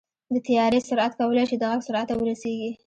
د طیارې سرعت کولی شي د غږ سرعت ته ورسېږي.